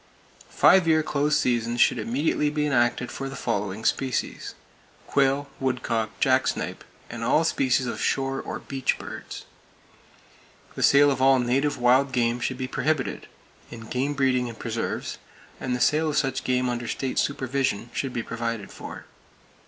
Five year close seasons should immediately be enacted for the following species: quail, woodcock, jacksnipe and all species of shore or "beach" birds. The sale of all native wild game should be prohibited; and game breeding in preserves, and the sale of such game under state supervision, should be provided for.